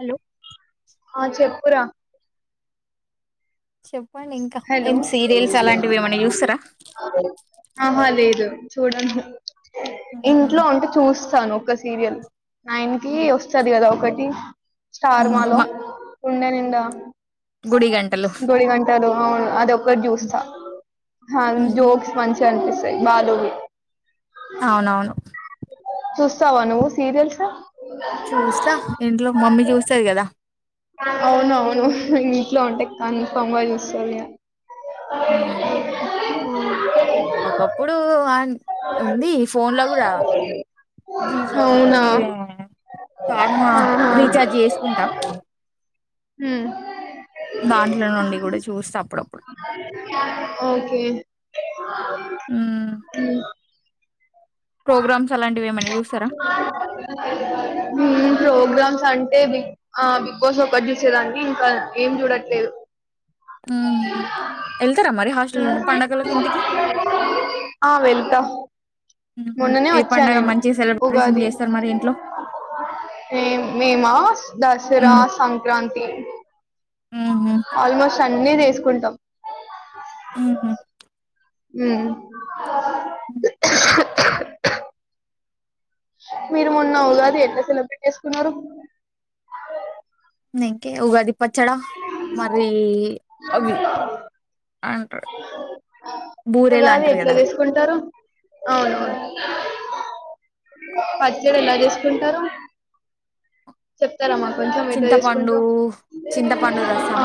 Hello ఆ చెప్పురా చెప్పండి ఇంకా హలో ఏం సీరియల్స్ అలాంటివి ఏమన్నా చూస్తరా. ఆహా లేదు చూడను ఉహు, ఇంట్లో ఉంటే చూస్ తను ఒక్క సీరియల్ నైన్ కి ఉమ్, వస్తది కదా ఒకటి ఉహు. స్టార్మాలో మా గుండెనిండా గుడి గంటలు అవును అదొక్కటి ఉమ్, జూస్తా ఉహు. జోక్స్ మంచిగా అనిపిస్ బాలూ అవునవును చుస్తవా నువ్వు సీరియల్స్ చూస్తా ఇంట్లో మమ్మీ చూస్తది కదా అవునవును ఇంట్లో ఉంటే కన్ఫాంగా చూస్తది గ ఉమ్. ఒకప్పుడు అన్ ఉంది ఫోన్ లో కూడా జీ ఫ అవునా జీ స్టార్మా ఆహా రీచార్జ్ చేస్కుంటా ఊమ్ దాంట్ల నుండి కూడా చూస్తా అప్పుడప్ ఓకే హుమ్ ప్రోగ్రామ్స్ అలాంటివి ఏమైనా చూస్తారా హుమ్ ప్రోగ్రామ్ అంటే బిగ్ ఆ బిగ్ బాస్ ఒకటి చూసేదాని ఇంకా ఏం చూడట్లేదు ఆ హ హు మ్ ఆ వెల్తా ఉహు. మొన్ననే ఏ ఒచ్చా పండగ నేను మంచి సెలబ్రేషన్ ఉగాది చేస్తారు మరి ఇంట్లో మేమ్ మేమా దసరా ఉమ్. సంక్రాంతి ఉహు ఆల్మోస్ట్ అన్ని చేస్కుంటాం ఉహు హు మ్ మీరు మొన్న ఉగాది ఎట్లా సెలబ్రేట్ చేస్కున్నారు ఇంకే ఉగాది పచ్చడా మరి అవ్వి ఉగాది అంటారు ఎట్లా కదా చేస్కుంటారు అవునవును పచ్చడి ఎలా చేస్కుంటారు చెప్ ప్తారా మాక్ కొంచెం ఏట్లా చింతపండు చేస్కుంటారో చింతపండు రసం ఆ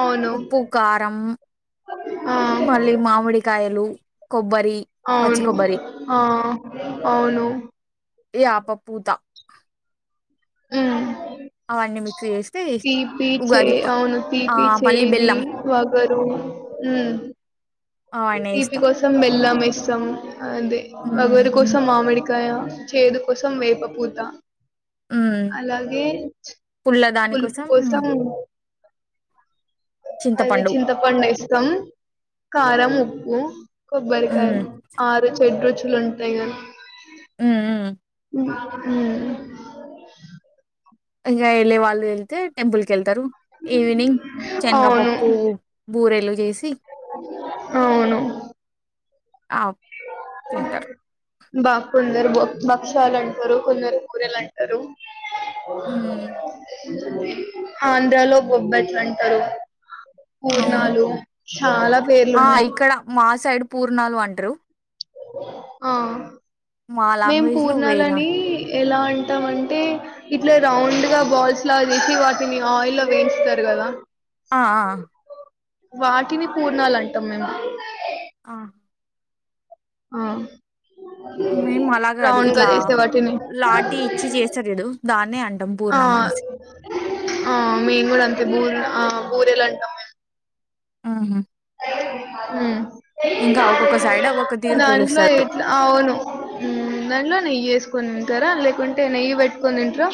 అవును ఉప్పు కారం ఆ మల్లీ మామిడికాయలు కొబ్బరి పచ్చి అవును కొబ్బరి ఆ అవును యాప పూతా మ్ మిక్స్ చేస్తే తీపి చే ఉగాది ప అవును ఆ తీపి మళ్ళీ చేది బెల్లం వగరు మ్మ్ అవన్నీ తీపి వేస్తాం కోసం బెల్లం ఎస్తాం అది వగరు ఉమ్ కోసం మామిడి కయ చేదు కోసం వేప పూతా ఉమ్ అలాగే పుల్ల దాని పులుపు కోసం అదే చింతపండు చింతపండేస్తాం కారం ఉప్పు కొబ్బరికాయ ఉమ్ ఆరు షేడ్రుచులు ఉంటాయి కదా మ్ మ్మ్ మ్ మ్మ్ ఈగ ఏళ్ళే వాళ్ళు ఏళ్తే టెంపుల్క్ ఏళ్తారు ఈవినింగ్ అవును. చనగపప్పు బూరెలు జేసి అవును ఆ తింటారు. బా కొందరు బొక్ భక్షాలు అంటారు కొందరు బూరెలాంటారు హ్మ్. ఆంధ్రాలో బొబ్బాట్లటారు అవును. పుర్నాలు ఆ ఇక్కడ మా సైడ్ పూర్ణాలు అంట్రూ ఆ మా మేం లాంగ్వేజ్‌లో వేరే పూర్ణాలని అన్ ఎలా అంటాం అంటే ఇట్లా రౌండ్ గా బాల్స్ లా చేేసి వాటిని ఆయిల్లో వేయిచ్తార్ గా ఎలా ఆ ఆ వాటిని పూర్ణాల్ అంటాం మేము ఆ! ఆ మేమ్ అలా కాదు రౌండ్ గా ఇట్లా చేసే వాటిని లాటి ఇచ్చి చేస్తార్ చూడు దాన్నే అన్ ఆ ఆ మేన్ కూడా అంతే బూర ఆ బూరెలా అం అహ మ్ ఇంకా ఒక్కొక్క సైడ్ ఒక్కొక్క తీరు దాంట్లో పిలుస్తారు. ఎట్లా అవును ఉమ్ దాంట్లో నెయ్యి ఎసుకొని తింటారా లేకుంటే నెయ్యి పెట్టుకొని తింటార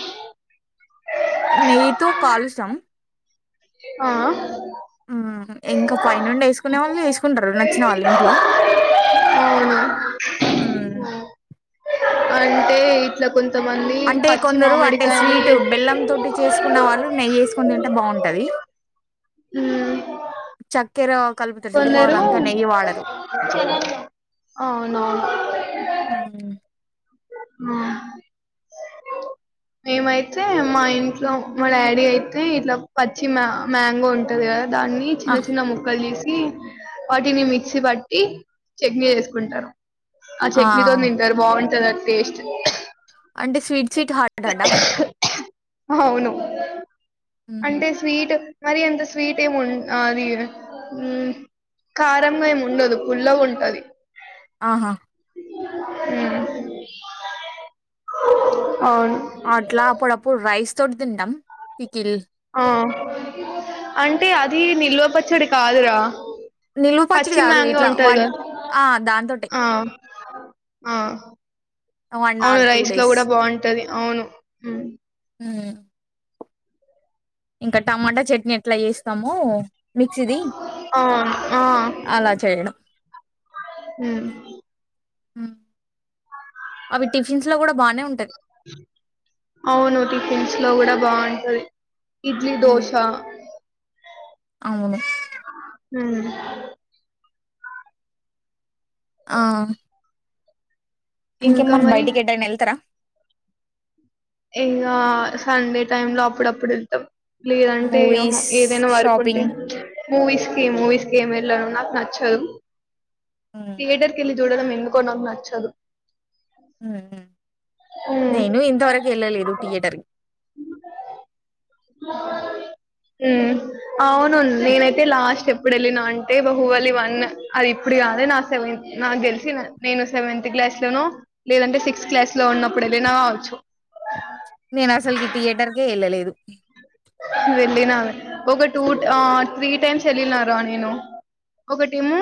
నెయ్యితో కలుస్తాం ఆహ్ ఉమ్ ఇంకా పైనుండి ఎసుకునే వాళ్ళు ఎసుకుంటారు నచ్చిన వాళ్ళ ఇంట్లో అవును ఉమ్ అంటే ఇట్లా కొం అంటే కొందరు అంటే స్వీట్ బెల్లం తోటి చేసుకున్న వాళ్ళు నెయ్యి ఎసుకొని తింటే బాగుంటది మ్మ్ చక్కెర కల్ప్త రు చుడు కొందరు వాళ్ళంతా నెయ్యి వాడరు అవునవును అవ్న్ అ మేమైతే మా ఇంట్లో మా డాడీ అయితే ఇట్లా పచ్చి మ మ్యాంగో ఉంటది కదా దాన్ని చిన్న ఆహ్! చిన్న ముక్కలు చేస్ సి వాటిని మిక్సీ పట్టి చట్నీ చేసుకుంటారు ఆ చట్నీతోన్ తింటారు బాగుంటది అ టేస్ట్ అంటే స్వీట్ స్వీట్ హార్ట్ అటా? అవును హుహు. అంటే స్వీట్ మరి అంత స్వీటేం ఉన్ అది కారంగా ఏమి ఉండదు పుల్లగ్ ఉంటది ఆహా ఉమ్ అవును అట్లా అప్పుడప్పుడు రైస్ తోటి తింటాం పికిల్ ఆ అంటే అది నిల్వపచ్చడి కాదురా నిల్వ పచ్చడి పచ్చి కాదు మ్యాంగో ఇట్లా ఉంటది వన్ కదా ఆ! దాంతోటే ఆ ఆ ఆర్ అవును రైస్ లో డేస్. కూడా బాగుంటది అవును ఉమ్ ఉమ్ ఇంకా టమాటా చట్నీ ఎట్లా చేస్తాము మిక్సీది అవును ఆ అలా చేయడం ఉమ్ అవి టిఫిన్స్ లో కూడా బానే ఉంటది అవును టిఫిన్స్ లో కూడా బాగుంటది ఇడ్లీ హ్మ్. దోశ అవును. ఉమ్ ఆ ఇంకా ఇంకెమ్మరి మరి బయటికి ఎటైనా ఎళ్తారా ఇగా సండే టైమ్ లో అప్పుడప్పుడు ఎళ్తాం లేదంటే మూవీస్ ఏదైనా వర్కుంటే షాపింగ్ మూవీస్ కి మూవీస్ ఎంవేళ్ళను నక్ నచ్చదు ఉమ్, థియేటర్ కెల్లీ చూడడం ఎందుకొ నాకు నచ్చదు ఉమ్ ఉమ్ ఉమ్ నేను ఇంతవరకు ఎల్ ల్ల లేదు థియేటర్ మార్నింగ్ మ్ అవును నేనైతే లాస్ట్ ఎప్పుడు వెళ్ళినా అంటే బహువలి వన్ అది ఇప్పుడు కాద్ నా సెవెన్ నాకు థెలిసి నేను సెవెన్త్ క్లాస్ లోనో, లేదంటే సిక్స్త్ క్లాస్ లో ఉన్నప్పుడు ఏలినవచ్చు నేను అసల్కి థియేటర్కే ఎళ్ళలేదు. వెళ్ళినావే ఒక టూ ట ఆ త్రీ టైమ్స్ ఎళ్ళినారా నేను ఒకటేమో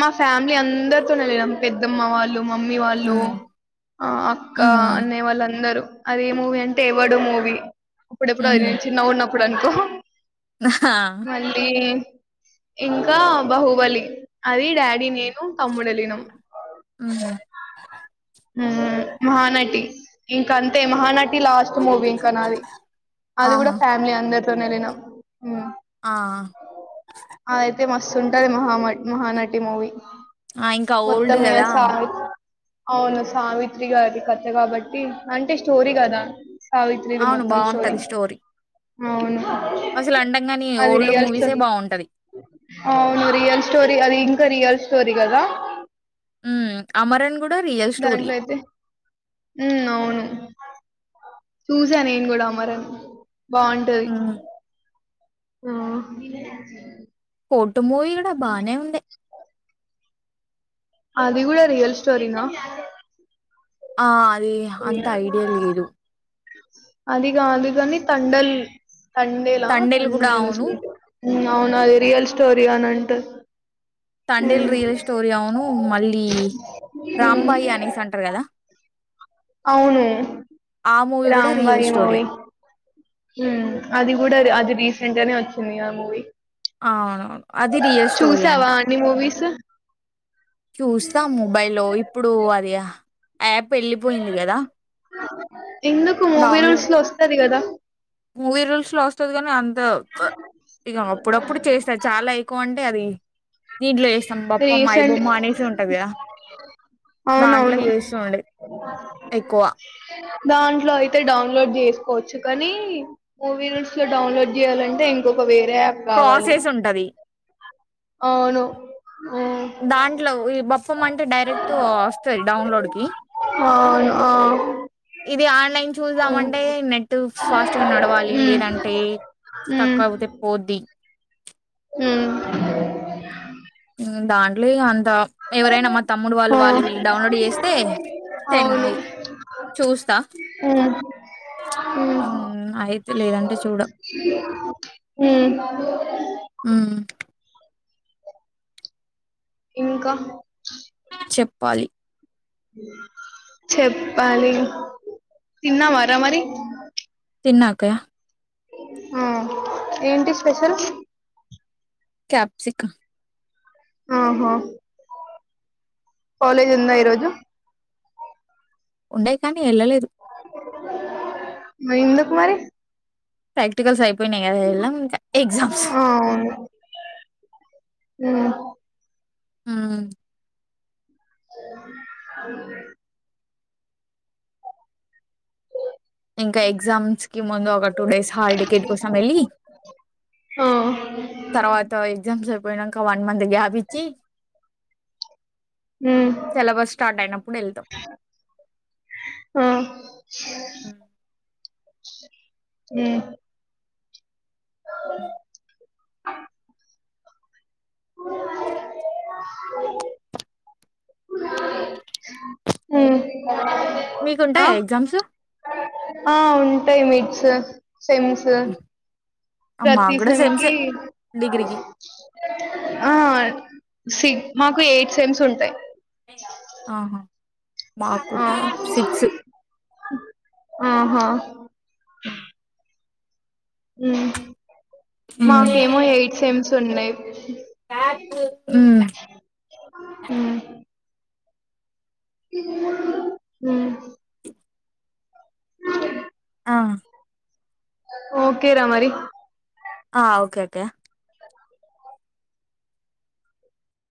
మా ఫ్యామిలీ అందరితోనే ఎళ్లినం పెద్దమ్మ వాళ్ళు మమ్మీ వాళ్ళు ఉమ్ ఆ అక్క ఉమ్ అన్నయ్య వాళ్ళందరూ అది ఎం మూవీ అంటే ఎవడు మూవీ అప్పుడెప్పుడు ఉహు ఎల్లిన చిన్నగున్నప్పుడు అనుకో ఆ మళ్ళి ఇంకా బాహుబలి అది డాడీ, నేను, తమ్ముడ్ ఎలినం ఉహు మ్ మహానటి ఇంక అంతే మహానటి లాస్ట్ మూవీ ఇంకా నాది. అది కూడా ఆహా ఫ్యామిలీ అందర్ తో నెల్లినం ఆ అతే మస్తు ఉంటది మహామట్ మహానటి మూవీ ఆ ఇంకా ఓల్డ్ మొత్తం ఇగ కదా సా అవును సావిత్రి గారి కథ కాబట్టి అంటే స్టోరీ కదా. సావిత్రీ ది అవును మొత్తం స్టోరీ బాగుంటది అవును అసలు అండంగాని అది ఓల్డ్ రియల్ స్టో మూవీసే బావుంటది. అవును రియల్ స్టోరి అది ఇంకా రియల్ స్టోరిగదా. ఉ అమరన్ కూడా రియల్ స్టోరీ దాంట్లో అయితే ఉ అవును చూసా నేను కూడా అమరన్ బావుంటది. ఉమ్ ఆ కోర్టు మూవీ కూడా బానే ఉంది. అది కూడా రియల్ స్టోరీనా? ఆ అదే అంత ఐడియా లేదు. అది గాదుగానీ తండల్ తండేలా తండేలు కూడా తండే అవును అవును అది రియల్ స్టోరిగానంట. తండేల్ రియల్ స్టోరీ అవును మళ్ళీ ఉమ్ రాంబాయి అనేసి అంటారు కదా. అవును ఆ మూవీ కూడా రియల్ రాంబాయి స్టోరీ మూవీ ఉమ్ అది కూడా అద్ అది రీసెంట్ గానే వచ్చింది గా మూవీ. అవునవును అది రియల్ స్టోరీ అంట. చూసావా అన్ని మూవీస్ చూస్తాం మొబైల్లో ఇప్పుడు అది హా ఎందుకు మూవీ డౌన్లోడ్ రూల్స్ లో వస్తది కదా. మూవీ రూల్స్ లో వస్తది కానీ అంత క్ ఇక అప్పుడప్పుడు చేస్తారు చాలా ఎక్కువ అంటే అది దీంట్లో ఎస్స్తాం బప్పం, రీసెంట్ ఐబొమ్మ అనేసి ఉంటదిగా. దాంట్లో అవునవును ఎస్తు ఉండే ఎక్కువ దాంట్లో అయితే డౌన్లోడ్ చేసుకోవచ్చు కానీ, మూవీ రూల్స్ లో డౌన్లోడ్ చేయాలంటే ఇంకొక వే దేప్ కావాలి ప్రాసెస్ ఉంటది అవును ఊ దాంట్లో ఈ బొప్పమ్మ అంటే డైరెక్ట్ వస్తాయ్ డౌన్లోడ్కి అవును ఆ ఇది ఆన్లైన్ చూద్దామంటే నెట్ ఫాస్ట్గా నడవాలి హ్మ్ లేదంటే స్టక్ అవుతే పోద్ది. మ్ దాంట్ లో యన్ తాం ఎవరైనా మా తమ్ముడు హ్మ్ వాళ్ళు ఆ వాళ్ళు వీళ్ళు డౌన్లోడ్ చేస్తే [unintelligible] చూస్తా. మ్ ఉమ్ అయితే లేదంటే చూడ మ్మ్ మ్ ఇంకా చెప్పాలి చెప్పాలి తిన్నావార మరీ? తిన్న అక్కయ ఆ ఏంటి స్పెషల్? క్యాపీస్క అ హా కాలేజ్ ఉందా ఈరోజు ఉండే కానీ ఎళ్ళలేదు ఎందుకు మరి ప్రాక్టికల్స్ అయిపోయినాయి కదా ఎల్లం ఇంకా ఎగ్జామ్స్ ఆ అవును ఉమ్ ఉమ్ ఇంకా ఎగ్జామ్స్ కి ముందు ఒక టూ డేస్ హాల్ టికెట్ కోసం వెళ్ళి ఆ తర్వాత ఎగ్జామ్స్ అయ్ పోయినంక వన్ మంత్ గ్యాపిచ్చి ఉమ్ సేలబస్ స్టార్ట్ అయినప్పుడు వెళ్తాం ఆ మ్ మ్ మ్ మీకుంటాయ ఎగ్జామ్స్ ఆ ఉంటాయి మిడ్స్ సెమ్స్ ప్రతి మాకు కూడా సేమ్ సేమ్సే కి డిగ్రీకి ఆ సి మాకు ఎయిట్ సెమ్స్ ఉంటాయి అ హా ఆ ఆహా మ్ ఉమ్ మ్మ్ మాకేమో ఎయిట్ సేమ్స్ ఉన్నాయి మ్ మ్ అ ఓకే రా మరి ఆ ఓకే అక్కయ